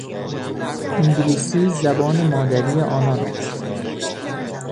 انگلیسی زبان مادری آنان است.